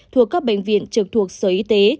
thuộc các bệnh viện trực thuộc sở y tế